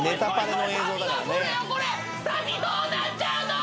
サビどうなっちゃうの！？